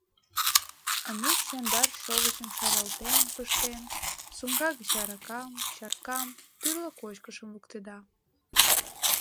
Ануш яндар шовычым шаралтен пыштен, сумка гыч аракам, чаркам, тӱрлӧ кочкышым луктеда.